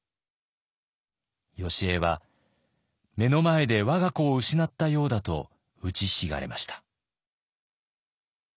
よしえは目の前でわが子を失ったようだと打ちひしがれました。